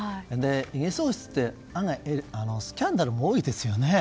エリザベスって案外スキャンダルも多いですよね。